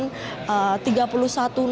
yang sudah melaporkan